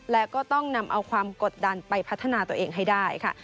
และก็ต้องนำเอาความกดดันไปพัฒนาตัวเองให้ได้ค่ะ